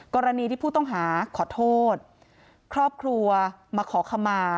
กรณีที่ผู้ต้องหาขอโทษครอบครัวมาขอขมา